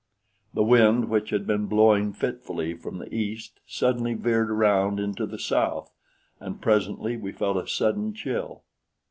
The wind, which had been blowing fitfully from the east, suddenly veered around into the south, and presently we felt a sudden chill.